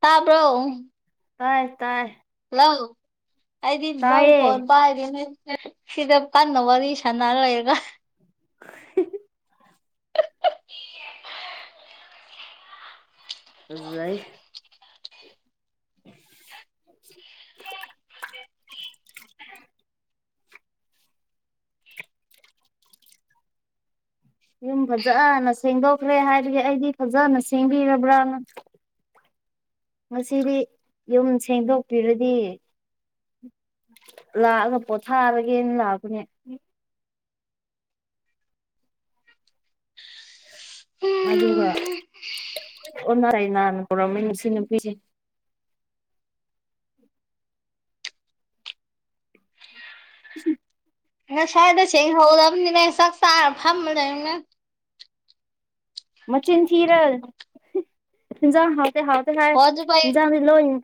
ꯇꯥꯕ꯭ꯔꯣ ꯇꯥꯏ ꯇꯥꯏ ꯍꯜꯂꯣ ꯑꯩꯗꯤ ꯖꯧ ꯇꯥꯏꯌꯦ ꯐꯣꯟ ꯄꯥꯏꯒꯦꯅꯦ ꯁꯤꯗ ꯀꯟꯅ ꯋꯥꯔꯤ ꯁꯥꯟꯅ ꯂꯩꯔꯒ ꯑꯗꯨꯗꯩ [inaudible] ꯌꯨꯝ ꯐꯖꯅ ꯁꯦꯡꯗꯣꯛꯈ꯭ꯔꯦ ꯍꯥꯏꯕꯒꯤ ꯑꯩꯗꯤ ꯐꯖꯅ ꯁꯦꯡꯕꯤꯔꯕ꯭ꯔꯥꯅ ꯉꯁꯤꯗꯤ ꯌꯨꯝ ꯁꯦꯡꯗꯣꯛꯄꯤꯔꯗꯤ ꯂꯥꯛꯑꯒ ꯄꯣꯊꯥꯔꯒꯦꯅ ꯂꯥꯛꯄꯅꯦ [inaudible] ꯃꯗꯨ ꯑꯣꯟꯅ ꯇꯩꯅꯥꯅ ꯇꯧꯔꯝꯃꯤ ꯁꯤ ꯅꯨꯄꯤꯁꯤ [inaudible] ꯉꯥꯁꯥꯏꯗ ꯁꯦꯡꯍꯧꯗꯕꯅꯤꯅꯦ ꯆꯥꯛ ꯆꯥꯔ ꯐꯝꯃ ꯂꯩꯔꯒ ꯃꯆꯤꯟ ꯊꯤꯔ ꯏꯟꯖꯥꯡ ꯍꯥꯎꯇꯦ ꯍꯥꯎꯇꯦ ꯍꯥꯏ ꯐꯣꯟꯁꯨ ꯄꯥꯏ ꯏꯟꯖꯥꯡꯗꯤ ꯂꯣꯏꯅ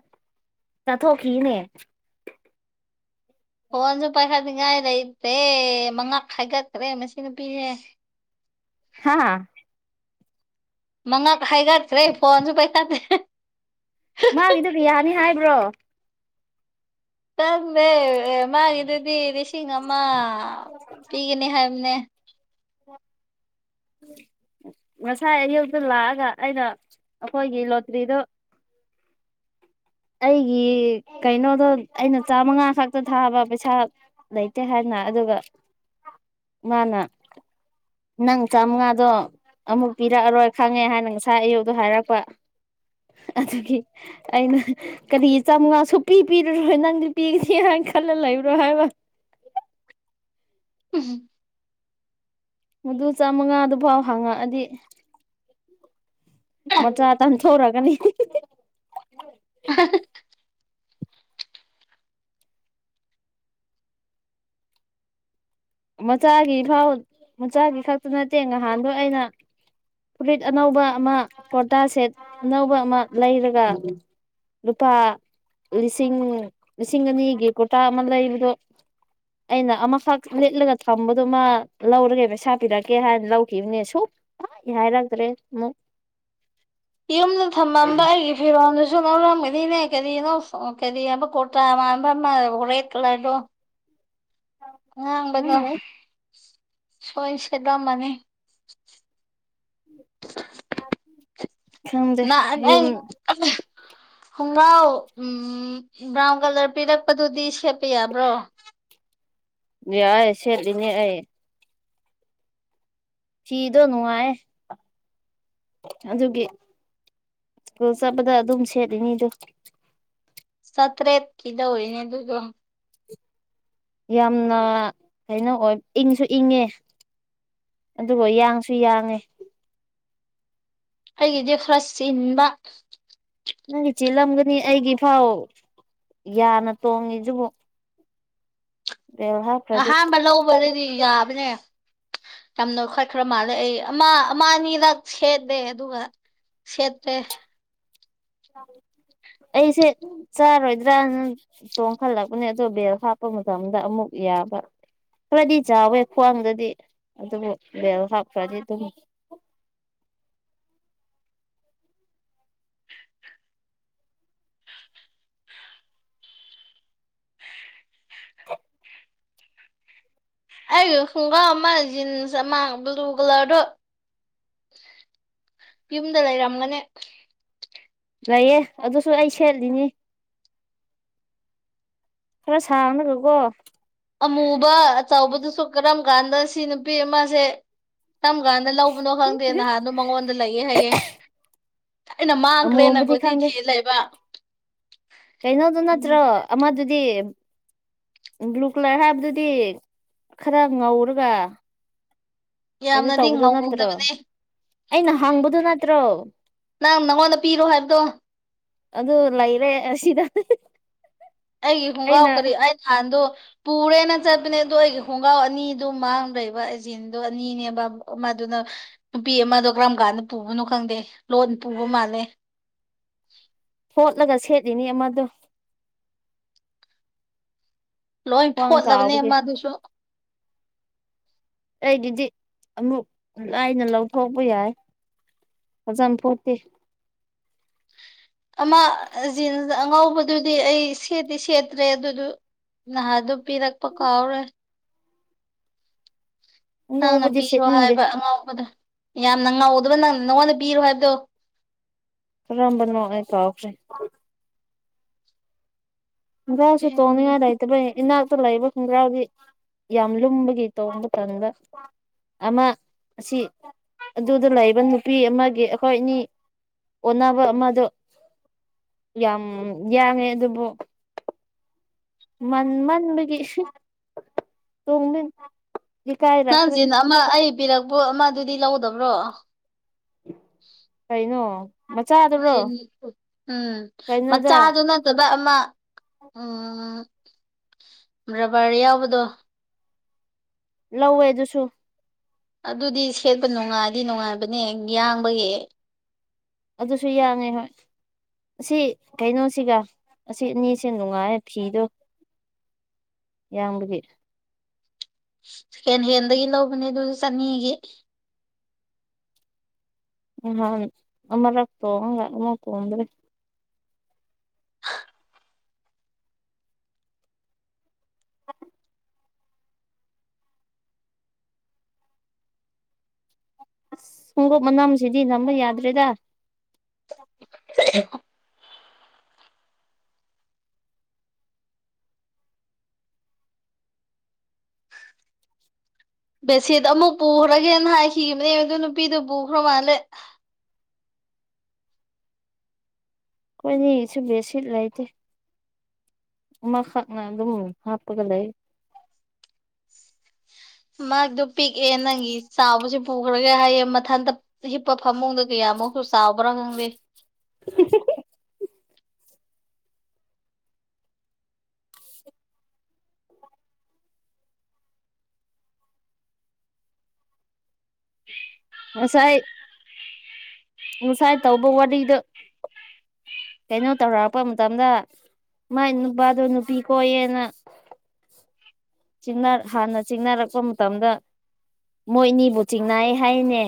ꯆꯥꯊꯣꯛꯈꯤꯅꯦ ꯐꯣꯟꯁꯨ ꯄꯥꯏꯈꯠꯅꯤꯡꯉꯥꯏ ꯂꯩꯇ꯭ꯔꯦ ꯃꯉꯛ ꯍꯥꯏꯒꯠꯈ꯭ꯔꯦ ꯃꯁꯤ ꯅꯨꯄꯤꯁꯦ ꯍꯥꯥ ꯃꯉꯛ ꯍꯥꯏꯒꯠꯈ꯭ꯔꯦ ꯐꯣꯟꯁꯨ ꯄꯥꯏꯈꯠꯇꯦ ꯃꯥꯒꯤꯗꯨ ꯀꯌꯥꯅꯤ ꯍꯥꯏꯕ꯭ꯔꯣ ꯈꯪꯗꯦ ꯑꯦ ꯃꯥꯒꯤꯗꯨꯗꯤ ꯂꯤꯁꯤꯡ ꯑꯃ ꯄꯤꯒꯅꯤ ꯍꯥꯏꯕꯅꯦ [inaudible] ꯉꯁꯥꯏ ꯑꯌꯨꯛꯇ ꯂꯥꯛꯑꯒ ꯑꯩꯅ ꯑꯈꯣꯏꯒꯤ ꯂꯣꯇ꯭ꯔꯤꯗꯨ ꯑꯩꯒꯤ ꯀꯩꯅꯣꯗꯣ ꯑꯩꯅ ꯆꯥꯃꯉꯥ ꯈꯛꯇ ꯊꯥꯕ ꯄꯩꯁꯥ ꯂꯩꯇꯦ ꯍꯥꯏꯅ ꯑꯗꯨꯒ ꯃꯥꯅ ꯅꯪ ꯆꯥꯝꯃꯉꯥꯗꯣ ꯑꯃꯨꯛ ꯄꯤꯔꯛꯑꯔꯣꯏ ꯈꯪꯉꯦ ꯍꯥꯏꯅ ꯉꯁꯥꯏ ꯑꯌꯨꯛꯇꯣ ꯍꯥꯏꯔꯛꯄ ꯑꯗꯨꯒꯤ ꯑꯩꯅ ꯀꯔꯤ ꯆꯥꯝꯃꯉꯥ ꯁꯨꯞꯄꯤ ꯄꯤꯔꯨꯔꯣ ꯅꯪꯗꯤ ꯄꯤꯒꯅꯤ ꯍꯥꯏꯅ ꯈꯜꯂ ꯂꯩꯕ꯭ꯔꯣ ꯍꯥꯏꯕ ꯎꯝ ꯃꯗꯨ ꯆꯥꯝꯃꯉꯥ ꯑꯗꯨꯐꯥꯎ ꯍꯥꯡꯉꯛꯑꯗꯤ ꯃꯆꯥ ꯇꯝꯊꯣꯔꯛꯒꯅꯤ [unintelligible] ꯃꯆꯥꯒꯤ ꯐꯥꯎ ꯃꯆꯥꯒꯤ ꯈꯛꯇ ꯅꯠꯇꯦ ꯉꯍꯥꯟꯗꯣ ꯑꯩꯅ ꯐꯨꯔꯤꯠ ꯑꯅꯧꯕ ꯑꯃ ꯀꯨꯔꯇꯥ ꯁꯦꯠ ꯑꯅꯧꯕ ꯑꯃ ꯂꯩꯔꯒ ꯂꯨꯄꯥ ꯂꯤꯁꯤꯡ ꯂꯤꯁꯤꯡ ꯑꯅꯤꯒꯤ ꯀꯨꯔꯇꯥ ꯑꯃ ꯂꯩꯕꯗꯣ ꯑꯩꯅ ꯑꯃ ꯐꯥꯎ [unintelligible] ꯂꯤꯠꯂꯒ ꯊꯝꯕꯗꯨꯃ ꯂꯧꯔꯒꯦ ꯄꯩꯁꯥ ꯄꯤꯔꯛꯀꯦ ꯍꯥꯏꯅ ꯂꯧꯈꯤꯕꯅꯦ ꯁꯨ ꯍꯥꯏ ꯍꯥꯏꯔꯛꯇꯔꯦ ꯑꯃꯨꯛ ꯌꯨꯝꯗ ꯊꯝꯃꯝꯕ ꯑꯩꯒꯤ ꯐꯤꯔꯣꯜꯗꯁꯨ ꯂꯧꯔꯝꯒꯅꯤꯅꯦ ꯀꯔꯤꯅꯣ ꯀꯔꯤ ꯍꯥꯏꯕ ꯀꯨꯔꯇꯥ ꯃꯥꯟꯕ ꯑꯃ ꯔꯦꯗ ꯀꯂꯔꯗꯣ ꯑꯉꯥꯡꯕꯗꯣ ꯈꯪꯗꯦ ꯁꯣꯏ ꯁꯦꯗ ꯂꯝꯃꯅꯤ ꯈꯪꯗꯦ ꯉꯍꯥꯟ ꯌꯨꯝ ꯑꯩ ꯈꯣꯡꯒꯔꯥꯎ ꯎꯝ ꯕ꯭ꯔꯥꯎꯟ ꯀꯂꯔ ꯄꯤꯔꯛ ꯑꯗꯨꯗꯤ ꯁꯦꯠꯄ ꯌꯥꯕ꯭ꯔꯣ ꯌꯥꯏ ꯁꯦꯠꯂꯤꯅꯤ ꯑꯩ ꯐꯤꯗꯣ ꯅꯨꯡꯉꯥꯏꯌꯦ ꯑꯗꯨꯒꯤ ꯁ꯭ꯀꯨꯜ ꯆꯠꯄꯗ ꯑꯗꯨꯝ ꯁꯦꯠꯂꯤꯅꯤꯗꯨ ꯆꯥꯇ꯭ꯔꯦꯠꯀꯤ ꯂꯧꯔꯤꯅꯤ ꯑꯗꯨꯗꯣ꯫ ꯌꯥꯝꯅ ꯀꯩꯅꯣ ꯑꯣꯏ ꯏꯪꯁꯨ ꯏꯪꯉꯦ ꯑꯗꯨꯒ ꯌꯥꯡꯁꯨ ꯌꯥꯡꯉꯦ ꯑꯩꯒꯤꯗꯤ ꯈꯔ ꯆꯤꯟꯕ ꯅꯪꯒꯤ ꯆꯤꯜꯂꯝꯒꯅꯤ ꯑꯩꯒꯤ ꯐꯥꯎ ꯌꯥꯅ ꯇꯣꯡꯉꯤꯁꯤꯕꯨ [unintelligible] ꯑꯍꯥꯟꯕ ꯂꯧꯕꯗꯗꯤ ꯌꯥꯕꯅꯦ ꯌꯥꯝ ꯅꯣꯏꯈꯠ ꯈꯔ ꯃꯥꯜꯂꯦ ꯑꯩ ꯑꯃ ꯑꯃ ꯑꯅꯤꯔꯛ ꯁꯦꯠꯂꯦ ꯑꯗꯨꯒ ꯁꯦꯠꯇ꯭ꯔꯦ [inaudible] ꯑꯩꯁꯦ ꯆꯥꯔꯣꯏꯗ꯭ꯔꯅ ꯇꯣꯡꯈꯠꯂꯛꯄꯅꯦ ꯑꯗꯣ ꯕꯦꯜ ꯍꯥꯞꯄ ꯃꯇꯝꯗ ꯑꯃꯨꯛ ꯌꯥꯕ ꯈꯔꯗꯤ ꯆꯥꯎꯋꯦ ꯈ꯭ꯋꯥꯡꯗꯗꯤ ꯑꯗꯨꯕꯨ ꯕꯦꯜ ꯍꯥꯞ ꯈꯔꯗꯤ ꯑꯗꯨꯝ [inaudible] ꯑꯩꯒꯤ ꯈꯨꯡꯒꯔꯥꯎ ꯑꯃ ꯖꯤꯟꯁ ꯑꯃ ꯕ꯭ꯂꯨ ꯀꯂꯔꯗꯨ ꯌꯨꯝꯗ ꯂꯩꯔꯝꯒꯅꯤ ꯂꯩꯌ‌ꯦ ꯑꯗꯨꯁꯨ ꯑꯩ ꯁꯦꯠꯂꯤꯅꯤ ꯈꯔ ꯁꯥꯡꯂꯒꯀꯣ ꯑꯃꯨꯕ ꯑꯆꯧꯕꯗꯨꯁꯨ ꯀꯔꯝ ꯀꯥꯟꯗ ꯁꯤ ꯅꯨꯄꯤ ꯑꯃꯁꯦ ꯀꯝ ꯀꯥꯟꯗ ꯂꯧꯕꯅꯣ ꯈꯪꯗꯦ ꯅꯍꯥꯟꯗꯣ ꯃꯉꯣꯟꯗ ꯂꯩꯑꯦ ꯍꯥꯏꯌꯦ ꯑꯩꯅ ꯃꯥꯡꯈ꯭ꯔꯦꯅ ꯑꯃꯣꯝꯕꯨꯗꯤ ꯀꯣꯏꯊꯤ ꯈꯪꯗꯦ ꯊꯤ ꯂꯩꯕ ꯀꯩꯅꯣꯗꯨ ꯅꯠꯇ꯭ꯔꯣ ꯑꯃꯗꯨꯗꯤ ꯒ꯭ꯂꯨꯀꯂꯔ ꯍꯥꯏꯕꯗꯨꯗꯤ ꯈꯔ ꯉꯧꯔꯒ ꯀꯩꯅ ꯌꯥꯝꯅꯗꯤ ꯇꯧꯕꯗꯣ ꯅꯠꯇ꯭ꯔꯣ ꯉꯧꯗꯕꯅꯦ ꯑꯩꯅ ꯍꯪꯕꯗꯨ ꯅꯠꯇ꯭ꯔꯣ ꯅꯪ ꯅꯪꯉꯣꯟꯗ ꯄꯤꯔꯣ ꯍꯥꯏꯕꯗꯣ ꯑꯗꯨ ꯂꯩꯏꯔꯦ ꯑꯁꯤꯗ ꯑꯩꯒꯤ ꯈꯣꯡꯒꯔꯥꯎ ꯑꯩꯅ ꯀꯔꯤ ꯍꯥꯟꯗꯣ ꯄꯨꯔꯦꯅ ꯆꯠꯄꯅꯦ ꯑꯗꯨ ꯑꯩꯒꯤ ꯈꯣꯡꯒ꯭ꯔꯥꯎ ꯑꯅꯤꯗꯨ ꯃꯥꯡ ꯂꯩꯕ ꯑꯩ ꯖꯤꯟꯗꯣ ꯑꯅꯤꯅꯦꯕ ꯑꯃꯗꯨꯅ ꯅꯨꯄꯤ ꯑꯃꯗꯣ ꯀꯔꯝ ꯀꯥꯟꯗ ꯄꯨꯕꯅꯣ ꯈꯪꯗꯦ ꯂꯣꯟ ꯄꯨꯕ ꯃꯥꯜꯂꯦ ꯐꯣꯠꯂꯒ ꯁꯦꯠꯂꯤꯅꯤ ꯑꯃꯗꯣ ꯂꯣꯏ ꯈ꯭ꯋꯥꯡ ꯐꯣꯠꯂꯕꯅꯦ ꯆꯥꯎꯕꯒꯤ ꯑꯃꯥꯗꯨꯁꯨ ꯑꯩꯒꯤꯗꯤ ꯑꯃꯨꯛ ꯂꯥꯏꯅ ꯂꯧꯊꯣꯛꯄ ꯌꯥꯏ ꯐꯖꯅ ꯐꯣꯠꯇꯦ ꯑꯃ ꯖꯤꯟꯁ ꯑꯉꯧꯕꯗꯨꯗꯤ ꯑꯩ ꯁꯦꯠꯇꯤ ꯁꯦꯠꯇ꯭ꯔꯦ ꯑꯗꯨꯗꯨ ꯅꯍꯥꯗꯨ ꯄꯤꯔꯛꯄ ꯀꯥꯎꯔꯦ ꯅꯪꯅ ꯉꯧꯕꯗꯤ ꯄꯤꯔꯣ ꯁꯤꯠꯅꯤꯡꯗꯦ ꯍꯥꯏꯕ ꯑꯉꯧꯕꯗꯨ ꯌꯥꯝꯅ ꯉꯧꯗꯕ ꯅꯪ ꯅꯪꯉꯣꯟꯗ ꯄꯤꯔꯣ ꯍꯥꯏꯕꯗꯨ ꯀꯔꯝꯕꯅꯣ ꯑꯩ ꯀꯥꯎꯈ꯭ꯔꯦ꯫ ꯒ꯭ꯔꯥꯁꯨ ꯇꯣꯡꯅꯤꯉꯥꯏ ꯂꯩꯇꯕꯩ ꯏꯅꯥꯛꯇ ꯂꯩꯕ ꯈꯣꯡꯒ꯭ꯔꯥꯎꯗꯤ ꯌꯥꯝ ꯂꯨꯝꯕꯒꯤ ꯇꯣꯡꯕ ꯇꯟꯕ ꯑꯃ ꯑꯁꯤ ꯑꯗꯨꯗ ꯂꯩꯕ ꯅꯨꯄꯤ ꯑꯃꯒꯤ ꯑꯩꯈꯣꯏꯅꯤ ꯑꯣꯟꯅꯕ ꯑꯃꯗꯣ ꯌꯥꯝ ꯌꯥꯡꯉꯦ ꯑꯗꯨꯕꯨ ꯃꯟ ꯃꯟꯕꯒꯤ ꯇꯣꯡ ꯅꯪ ꯖꯤꯟ ꯑꯃ ꯑꯩ ꯄꯤꯔꯛꯄꯣ ꯑꯃ ꯑꯗꯨꯗꯤ ꯂꯧꯗꯕ꯭ꯔꯣ ꯀꯩꯅꯣ꯫ ꯃꯆꯥꯗꯨꯔꯣ [unintelligible] ꯑ ꯀꯩꯅꯣꯗ ꯃꯆꯥꯗꯨ ꯅꯠ ꯇꯕ ꯑꯃ ꯎꯝ ꯔꯕ꯭ꯔ ꯌꯥꯎꯕꯗꯣ ꯂꯧꯋꯦ ꯑꯗꯨꯁꯨ ꯑꯗꯨꯗꯤ ꯁꯦꯠꯄ ꯅꯨꯡꯉꯥꯏꯗꯤ ꯅꯨꯡꯉꯥꯏꯕꯅꯦ ꯌꯥꯡꯕꯒꯤ ꯑꯗꯨꯁꯨ ꯌꯥꯡꯉꯦ ꯍꯣꯏ ꯑꯁꯤ ꯀꯩꯅꯣꯁꯤꯒ ꯑꯁꯤ ꯑꯅꯤꯁꯦ ꯅꯨꯡꯉꯥꯏ ꯐꯤꯗꯣ [unintelligible] ꯍꯦꯟ ꯍꯦꯟꯗꯒꯤ ꯂꯧꯕꯅꯦ ꯑꯗꯨ ꯆꯅꯤꯒꯤ [unintelligible] [unintelligible] ꯑꯁ ꯈꯣꯡꯎꯞ ꯃꯅꯥꯝꯁꯤꯗꯤ ꯅꯝꯕ ꯌꯥꯗ꯭ꯔꯦꯗ [unintelligible] ꯕꯦꯁꯤꯗ ꯑꯃꯨꯛ ꯄꯨꯈ꯭ꯔꯒꯦꯅ ꯍꯥꯏꯈꯤꯕꯅꯦ ꯑꯗꯨ ꯅꯨꯄꯤꯗꯨ ꯄꯨꯈ꯭ꯔ ꯃꯥꯜꯂꯦ ꯑꯩꯈꯣꯏꯅꯤ ꯁꯨꯝꯁꯤ ꯂꯩꯇꯦ ꯑꯃꯈꯛꯅ ꯑꯗꯨꯝ ꯍꯥꯞꯄꯒ ꯂꯩ ꯃꯥꯗꯣ ꯄꯤꯛꯑꯦ ꯅꯪꯒꯤ ꯆꯥꯎꯕꯁꯦ ꯄꯨꯈ꯭ꯔꯒꯦ ꯍꯥꯏꯌꯦ ꯃꯊꯟꯇ ꯍꯤꯞꯄ ꯐꯃꯨꯡꯗ ꯀꯌꯥꯃꯨꯛꯁꯨ ꯆꯥꯎꯕ꯭ꯔꯥ ꯈꯪꯗꯦ [unintelligible] [inaudible] ꯉꯁꯥꯏ ꯉꯁꯥꯏ ꯇꯧꯕ ꯋꯥꯔꯤꯗꯨ ꯀꯩꯅꯣ ꯇꯧꯔꯛꯔꯛꯄ ꯃꯇꯝꯗ ꯃꯥꯏ ꯅꯨꯄꯥꯗꯣ ꯅꯨꯄꯤ ꯀꯣꯏꯌꯦꯅ ꯆꯤꯡꯅꯔ ꯍꯥꯟꯅ ꯆꯤꯡꯅꯔꯛꯄ ꯃꯇꯝꯗ ꯃꯣꯏ ꯑꯅꯤꯕꯨ ꯆꯤꯡꯅꯩ ꯍꯥꯏꯌꯦꯅꯦ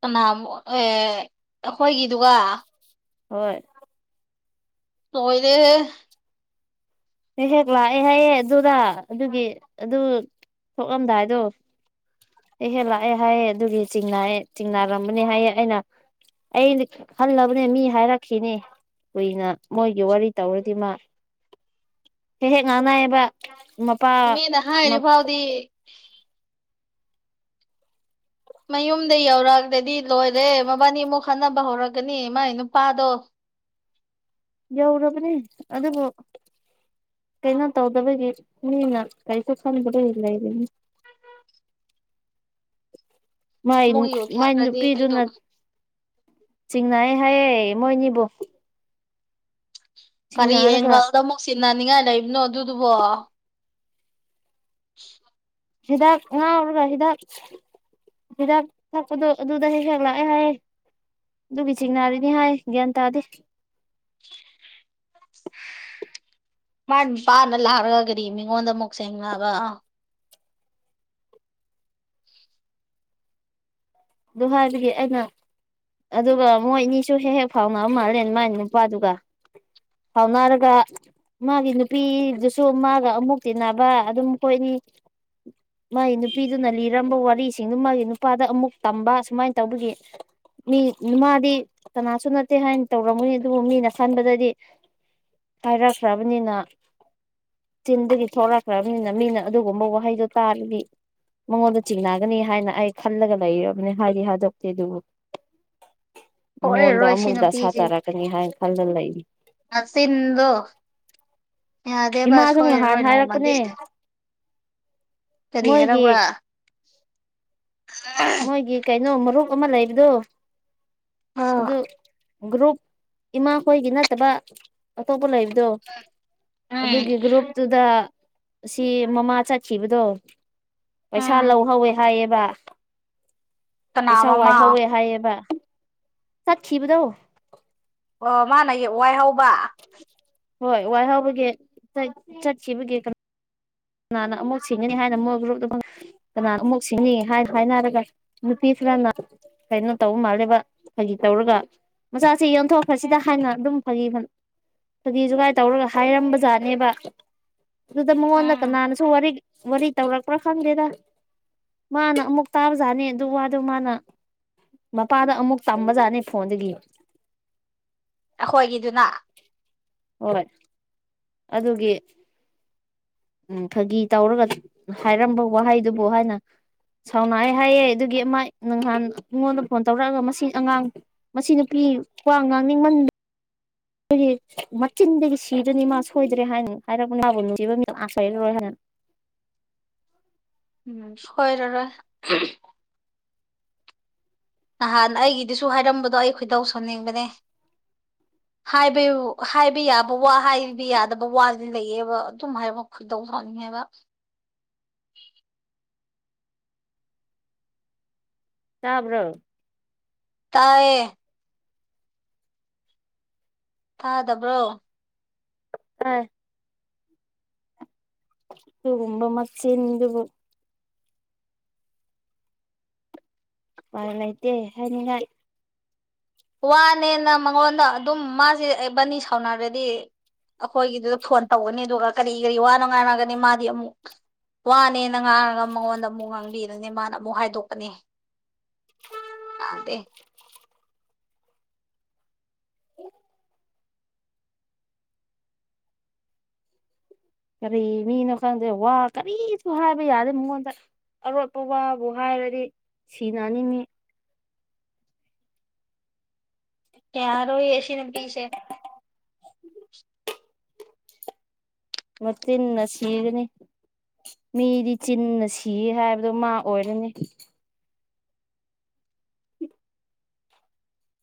ꯀꯅꯥ [unintelligible] ꯑꯩꯈꯣꯏꯒꯤꯗꯨꯒ ꯍꯣꯏ [unintelligible] ꯍꯦꯛ ꯍꯦꯛ ꯂꯥꯛꯑꯦ ꯍꯥꯏꯌꯦ ꯑꯗꯨꯗ ꯑꯗꯨꯒꯤ ꯑꯗꯨ ꯊꯣꯛꯂꯝꯗꯥꯏꯗꯣ ꯑꯩ ꯍꯦ ꯂꯥꯛꯑꯦ ꯍꯥꯏꯌꯦ ꯑꯗꯨꯒꯤ ꯆꯤꯡꯑ ꯆꯤꯡꯅꯥꯔꯝꯕꯅꯦ ꯍꯥꯏꯌꯦ ꯑꯩꯅ [unintelligible] ꯈꯜꯂꯕꯅꯦ ꯃꯤ ꯍꯥꯏꯔꯛꯈꯤꯅꯤ ꯀꯨꯏꯅ ꯃꯣꯏꯒꯤ ꯋꯥꯔꯤ ꯇꯧꯔꯗꯤ ꯃꯥ ꯍꯦꯛ ꯍꯦꯛ ꯉꯥꯡꯅꯏꯌꯦꯕ ꯃꯄꯥ ꯗꯤ ꯃꯌꯨꯝꯗ ꯌꯧꯔꯛꯑꯒꯗꯤ ꯂꯣꯏꯔꯦ ꯃꯕꯥꯅꯤ ꯑꯃꯨꯛ ꯈꯟꯅꯕ ꯍꯧꯔꯛꯒꯅꯤ ꯃꯥꯏ ꯅꯨꯄꯥꯗꯣ ꯌꯧꯔꯕꯅꯦ ꯑꯗꯨꯕꯨ ꯀꯩꯅꯣ ꯇꯧꯗꯕꯒꯤ ꯃꯤꯅ ꯀꯔꯤꯁꯨ ꯈꯪꯕ ꯂꯩꯔꯤꯅꯤ [unintelligible] ꯃꯥꯏ ꯑꯃꯨꯛ ꯃꯥꯏ ꯌꯣꯛꯊꯈ꯭ꯔꯗꯤ ꯑꯗꯨꯗꯣ ꯅꯨꯄꯤꯗꯨꯅ ꯆꯤꯡꯅꯏ ꯍꯥꯏꯌꯦ ꯃꯣꯏꯅꯤꯕꯨ ꯀꯔꯤ ꯆꯤꯡꯅꯔꯒ ꯑꯦꯡꯒꯜꯗ ꯑꯃꯨꯛ ꯁꯤꯟꯅꯅꯤꯡꯉꯥꯏ ꯂꯩꯕꯅꯣ ꯑꯗꯨꯗꯨꯕꯣ ꯍꯤꯗꯥꯛ ꯉꯥꯎꯔ ꯍꯤꯗꯥꯛ ꯍꯤꯗꯥꯛ ꯊꯄꯗ ꯑꯗꯨꯗ ꯍꯛꯂꯥꯛꯑꯦ ꯍꯥꯏꯌꯦ ꯑꯗꯨꯒꯤ ꯆꯤꯡ ꯅꯥꯔꯤꯅꯤ ꯍꯥꯏ ꯒ꯭ꯌꯥꯟ ꯇꯥꯗꯦ [unintelligible] ꯑꯔꯒꯔꯤ ꯃꯤꯒꯣꯟ ꯃꯨꯛꯁꯦꯡ ꯗꯨꯍꯥꯗꯒꯤ ꯑꯩꯅ ꯑꯗꯨꯒ ꯃꯣꯏ ꯑꯅꯤꯁꯨ ꯍꯦꯛ ꯍꯦꯛ ꯐꯥꯎꯅꯔꯝ ꯃꯥꯜꯂꯦ ꯃꯥꯥꯏ ꯅꯨꯄꯥꯗꯨꯒ ꯍꯧꯅꯔꯒ ꯃꯥꯒꯤ ꯅꯨꯄꯤꯗꯨꯁꯨ ꯃꯥꯒ ꯑꯃꯨꯛ ꯇꯤꯟꯅꯕ ꯑꯗꯨꯝ ꯀꯣꯏꯅꯤ ꯃꯥꯒꯤ ꯅꯨꯄꯤꯗꯨꯅ ꯂꯤꯔꯝꯕ ꯋꯥꯔꯤꯁꯤꯡꯗꯨ ꯃꯥꯒꯤ ꯅꯨꯄꯥꯗ ꯑꯃꯨꯛ ꯇꯝꯕ ꯁꯨꯃꯥꯏꯅ ꯇꯧꯕꯒꯤ ꯃꯤ ꯅꯨꯃꯥꯗꯤ ꯀꯅꯥꯁꯨ ꯅꯠꯇꯦ ꯍꯥꯏꯅ ꯇꯧꯔꯝꯒꯅꯤ ꯑꯗꯨꯕꯨ ꯃꯤꯅ ꯈꯟꯕꯗꯗꯤ ꯄꯥꯏꯔꯛꯈ꯭ꯔꯕꯅꯤꯅ ꯇꯤꯟꯗꯒꯤ ꯊꯣꯛꯂꯛꯈ꯭ꯔꯕꯅꯤꯅ ꯃꯤꯅ ꯑꯗꯨꯒꯨꯝꯕ ꯋꯥꯍꯩꯗꯣ ꯇꯥꯔꯗꯤ ꯃꯉꯣꯟꯗ ꯆꯤꯡꯅꯒꯅꯤ ꯍꯥꯏꯅ ꯑꯩ ꯈꯜꯂꯒ ꯂꯩ ꯃꯅꯦ ꯍꯥꯏꯦ ꯍꯥꯗꯞꯇ ꯑꯗꯨꯗꯨ ꯃꯉꯣꯟꯗ ꯁꯣꯏꯔꯔꯣꯏ ꯁꯤ ꯑꯃꯨꯛ ꯗꯁꯥ ꯅꯨꯄꯤꯁꯤ ꯇꯥꯔꯛꯀꯅꯤ ꯍꯥꯏꯅ ꯈꯜꯂ ꯂꯩꯔꯤ ꯃꯆꯤꯟꯗꯣ ꯌꯥꯗꯦꯕ ꯏꯃꯥꯁꯨ ꯅꯍꯥꯟ ꯁꯣꯏꯔꯔꯣꯏ ꯅꯣꯡꯃꯗꯤ ꯍꯥꯏꯔꯛꯄꯅꯦ ꯀꯔꯤ ꯃꯣꯏꯒꯤ ꯍꯥꯏꯔꯕ꯭ꯔꯥ ꯃꯣꯏꯒꯤ ꯀꯩꯅꯣ ꯃꯔꯨꯞ ꯑꯃ ꯂꯩꯕꯗꯣ ꯎꯝ ꯑꯗꯨ ꯒ꯭ꯔꯨꯞ ꯏꯃꯥꯈꯣꯏꯒꯤ ꯅꯠꯇꯕ ꯑꯇꯣꯞꯄ ꯂꯩ ꯑꯗꯣ ꯎꯝ ꯑꯗꯨꯒꯤ ꯒ꯭ꯔꯨꯞꯨꯞꯇꯨꯗ ꯁꯤ ꯃꯃꯥ ꯆꯠꯈꯤꯕꯗꯣ ꯄꯩꯁꯥ ꯎꯝ ꯂꯧꯍꯧꯋꯦ ꯍꯥꯏꯌꯦꯕ ꯀꯅꯥ ꯄꯩꯁꯥ ꯃꯃꯥ ꯋꯥꯏꯍꯧꯋꯦ ꯍꯥꯏꯌꯦꯕ ꯆꯠꯈꯤꯕꯗꯣ ꯑꯣ ꯃꯥꯅ ꯋꯥꯏ ꯍꯧꯕ ꯍꯣꯏ ꯋꯥꯏꯍꯥꯎꯕꯒꯤ ꯆꯠꯈꯤꯕꯒꯤ꯫ ꯅꯥꯅ ꯑꯃꯨꯛ ꯁꯤꯡꯒꯅꯤ ꯍꯥꯏꯅ ꯃꯣꯏ ꯒ꯭ꯔꯨꯞ ꯫ ꯀꯅꯥꯅ ꯑꯃꯨꯛ ꯁꯤꯅꯤ ꯍꯥꯏ ꯍꯥꯏꯅꯔꯒ ꯅꯨꯄꯤꯁꯤꯔꯅ ꯀꯩꯅꯣ ꯇꯧꯕ ꯃꯥꯜꯂꯦꯕ ꯍꯥꯏꯒꯤ ꯇꯧꯔꯒ ꯃꯆꯥꯁꯤ ꯌꯣꯟꯊꯣꯛꯈ꯭ꯔꯁꯤꯗ ꯍꯥꯏꯅ ꯑꯗꯨꯝ ꯐꯪ ꯐꯗꯤꯁꯨꯨꯒꯥꯏ ꯇꯧꯔꯒ ꯍꯥꯏꯔꯝꯕ ꯖꯥꯠꯅꯦꯕ ꯑꯗꯨꯗ [unintelligible] ꯎꯝ ꯀꯅꯥꯅꯁꯨ ꯋꯥꯔꯤ ꯋꯥꯔꯤ ꯇꯧꯔꯛꯄ꯭ꯔꯥ ꯈꯪꯗꯦꯗ ꯃꯥꯅ ꯑꯃꯨꯛ ꯇꯥꯕꯖꯥꯠꯅꯤ ꯑꯗꯨ ꯋꯥꯗꯣ ꯃꯥꯅ ꯃꯄꯥꯗ ꯑꯃꯨꯛ ꯇꯝꯕꯖꯥꯠꯅꯤ ꯐꯣꯟꯗꯒꯤ ꯑꯩꯈꯣꯏꯒꯤꯗꯨꯅ ꯍꯣꯏ ꯑꯗꯨꯒꯤ ꯎꯝ ꯐꯥꯒꯤ ꯇꯧꯔꯒ ꯍꯥꯏꯔꯝꯕ ꯋꯥꯍꯩꯗꯨꯕꯨ ꯍꯥꯏꯅ ꯁꯥꯎꯅꯑ ꯍꯥꯏꯌꯦꯦ ꯑꯗꯨꯒꯤ ꯑꯃ ꯅꯪꯍꯥꯟ ꯑꯩꯉꯣꯟꯗ ꯐꯣꯟ ꯇꯧꯔꯛꯑꯒ ꯃꯁꯤꯡ ꯑꯉꯥꯡ ꯃꯁꯤ ꯅꯨꯄꯤ ꯈ꯭ꯋꯥꯡ ꯉꯥꯡꯅꯤꯡꯃꯟ ꯑꯩꯈꯣꯏꯒꯤ ꯃꯆꯤꯟꯗꯒꯤ ꯁꯤꯗꯅꯤ ꯃꯥ ꯁꯣꯏꯗ꯭ꯔꯦ ꯍꯥꯏꯅ ꯍꯥꯏꯔꯛꯄ ꯃꯥꯕꯨ ꯅꯨꯡꯁꯤꯕꯝꯗ ꯑꯥꯁꯔꯔꯣꯏ ꯍꯥꯏꯅ ꯎꯝ ꯁꯣꯏꯔꯔꯣꯏ ꯅꯍꯥꯟ ꯑꯩꯒꯤꯗꯨꯁꯨ ꯍꯥꯏꯔꯝꯕꯗꯣ ꯑꯩ ꯈꯣꯏꯗꯧ ꯁꯝꯅꯤꯡꯕꯅꯦ ꯍꯥꯏꯕ ꯍꯥꯏꯕ ꯌꯥꯕ ꯋꯥ ꯍꯥꯏꯕ ꯌꯥꯗꯕ ꯋꯥꯗꯨ ꯂꯩꯌꯦꯕ ꯑꯗꯨꯝ ꯍꯥꯏ ꯗꯧ ꯋꯥꯅꯤ ꯍꯥꯏꯕ꯫ ꯇꯥꯕ꯭ꯔꯣ ꯇꯥꯏꯌꯦ ꯊꯥꯗꯕ꯭ꯔꯣ ꯑ ꯑꯗꯨꯒꯨꯝꯕ ꯃꯆꯤꯟꯗꯨꯕꯨ꯫ ꯎꯄꯥꯏ ꯂꯩꯇꯦ ꯍꯥꯏꯅꯤꯡꯉꯥꯏ꯫ ꯋꯥꯅꯦꯅ ꯃꯉꯣꯟꯗ ꯑꯗꯨꯝ ꯃꯥꯁꯦ ꯕꯥꯅꯤ ꯁꯥꯎꯅꯔꯗꯤ꯫ ꯑꯩꯈꯣꯏꯒꯤꯗꯨꯗ ꯐꯣꯟ ꯇꯧꯒꯅꯤ ꯑꯗꯨꯒ ꯀꯔꯤ ꯀꯔꯤ ꯋꯥꯅꯉꯥꯏꯅꯒꯅꯤ ꯃꯥꯗꯤ ꯑꯃꯨꯛ꯫ ꯋꯥꯅꯦꯅ ꯉꯥꯡꯉꯒ ꯃꯉꯣꯟꯗ ꯑꯃꯨꯛ ꯉꯥꯡꯕꯤꯗꯅꯦ ꯃꯥꯅ ꯑꯃꯨꯛ ꯍꯥꯏꯗꯣꯛꯄꯅꯦ ꯑꯗ ꯎ [unintelligible] ꯀꯔꯤ ꯃꯤꯅꯣ ꯈꯪꯗꯦ ꯋꯥ ꯀꯔꯤꯁꯨ ꯍꯥꯏꯕ ꯌꯥꯗꯦ ꯃꯉꯣꯟꯗ ꯑꯔꯣꯠꯄ ꯋꯥꯕꯨ ꯍꯥꯏꯔꯗꯤ ꯁꯤꯅꯅꯤꯃꯤ ꯀꯔꯣ ꯑꯦꯁꯤ ꯅ ꯄꯤꯁꯦ ꯃꯦ ꯏ ꯅꯁꯤꯒꯅꯦ ꯃꯤꯗꯤ ꯆꯤꯟꯅ ꯁꯤ ꯍꯥꯏꯕꯗꯣ ꯃꯥ ꯑꯣꯏꯔꯅꯤ